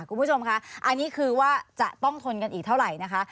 คุณผู้ชมค่ะอันนี้คือว่าจะต้องทนกันอีกเท่าไหร่นะคะ